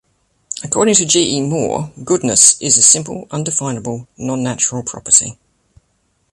According to G. E. Moore, Goodness is a simple, undefinable, non-natural property.